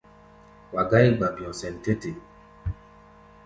Wa gá̧í̧ gba-bi̧ɔ̧ sɛn tɛ́ te.